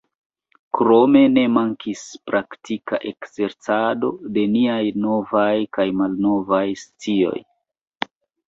Krome ne mankis praktika ekzercado de niaj novaj kaj malnovaj scioj.